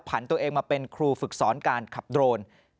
ผ่านตัวเองมาเป็นครูฝึกสอนการขับโดรน